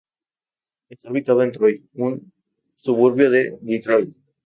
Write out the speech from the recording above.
Está ubicado en Troy, un suburbio de Detroit.